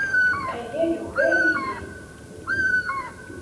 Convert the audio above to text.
Aya yugar-iyi.